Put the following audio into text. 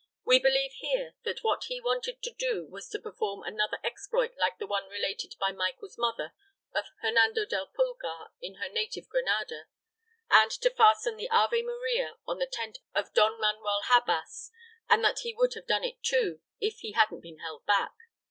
We believe here that what he wanted to do was to perform another exploit like the one related by Michael's mother of Hernando del Pulgar in her native Granada, and to fasten the Ave Maria on the tent of Don Manuel Habas, and that he would have done it, too, if he hadn't been held back.